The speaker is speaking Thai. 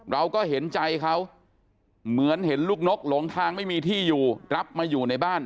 เราก็เห็นใจเขาเหมือนเห็นลูกนกหลงทางไม่มีที่อยู่รับมาอยู่ในบ้าน